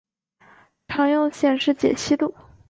常用显示解析度